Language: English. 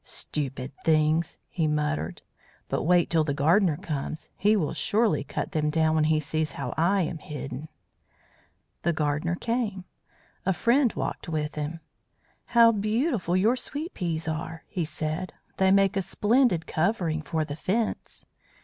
"Stupid things!" he muttered. "But wait till the gardener comes. He will surely cut them down when he sees how I am hidden." The gardener came. A friend walked with him. "How beautiful your sweet peas are!" he said. "They make a splendid covering for the Fence."